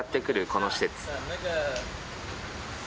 この施設。